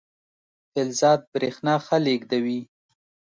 فلزات برېښنا ښه لیږدوي.